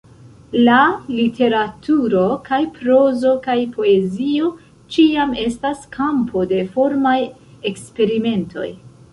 La literaturo – kaj prozo kaj poezio – ĉiam estas kampo de formaj eksperimentoj.